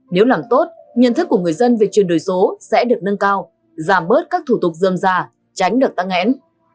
nếu làm tốt nhận thức của người dân về chuyển đổi số sẽ được nâng cao giảm bớt các thủ tục dườm già tránh được tăng nghẽn